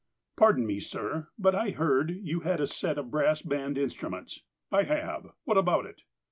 ''Pardon me, sir, but I heard you had a set of brass band instruments." '' I have. What about it